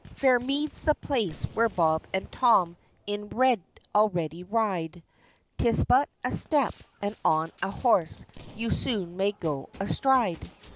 "Fair Mead's the place, where Bob and Tom In red already ride; 'Tis but a step, and on a horse You soon may go a stride."